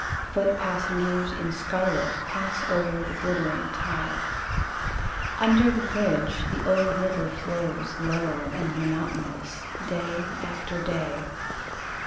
Foot passengers in scarlet Pass over the glittering tide. Under the bridge The old river flows Low and monotonous Day after day.